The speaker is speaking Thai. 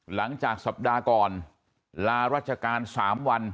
หลังจากสัปดาห์ก่อนลารัชการ๓วัน